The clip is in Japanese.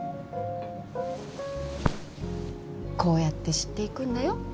こうやって知っていくんだよ